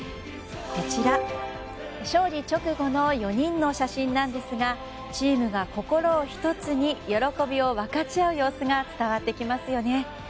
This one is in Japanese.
こちらは勝利直後の４人の写真ですがチームが心を１つにして喜びを分かち合う様子が伝わってきますよね。